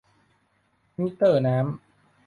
มิเตอร์น้ำ